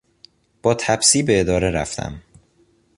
با تپسی به اداره رفتم.